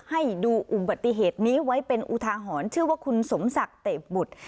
ให้ดูอุบัติเหตุนี้ไว้เป็นอุทาหรณ์ชื่อว่าคุณสมศักดิ์เตะบุตร